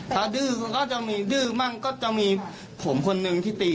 ถ้าดื้อก็จะมีดื้อมั่งก็จะมีผมคนนึงที่ตี